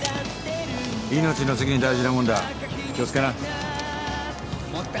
命の次に大事なもんだ気を付けな。